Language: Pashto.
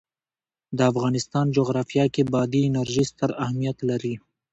د افغانستان جغرافیه کې بادي انرژي ستر اهمیت لري.